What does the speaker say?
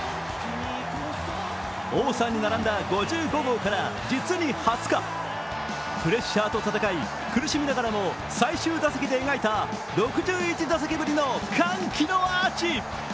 王さんに並んだ５５号から、実に２０日プレッシャーと戦い、苦しみながらも最終打席で描いた６１打席ぶりの歓喜のアーチ。